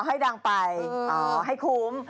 ให้ดังไปให้คุ้ม